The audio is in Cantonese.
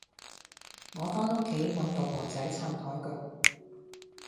我返屋企搵老婆仔撐枱腳